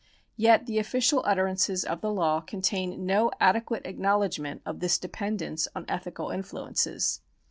Yet the official utterances of the law contain no adequate acknowledgment of this dependence on ethical influences.